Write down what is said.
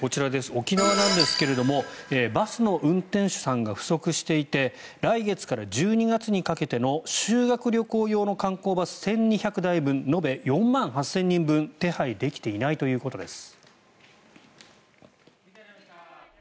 沖縄なんですがバスの運転手さんが不足していて来月から１２月にかけての修学旅行用の観光バス１２００台分延べ４万８０００人分手配できていないということです。